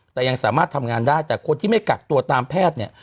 แต่ยังสามารถทำงานได้แต่คนที่ไม่กักตัวตามแพทย์เนี่ย